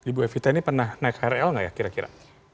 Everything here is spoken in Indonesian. ibu evita ini pernah naik krl nggak ya kira kira